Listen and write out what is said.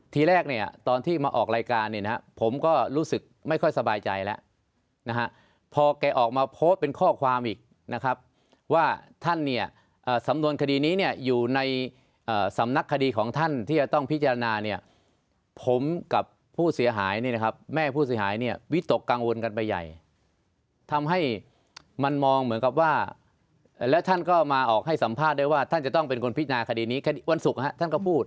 ทีแรกตอนที่มาออกรายการผมก็รู้สึกไม่ค่อยสบายใจแล้วพอเขาออกมาโพสเป็นข้อความอีกว่าท่านสำนวนคดีนี้อยู่ในสำนักคดีของท่านที่จะต้องพิจารณาผมกับผู้เสียหายแม่ผู้เสียหายวิตกกังวลกันไปใหญ่ทำให้มันมองเหมือนกับว่าแล้วท่านก็มาออกให้สัมภาษณ์ด้วยว่าท่านจะต้องเป็นคนพิจารณาคดีนี้วันศุกร์ท่